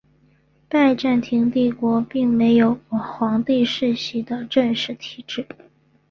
拜占庭帝国并没有皇帝世袭的正式体制。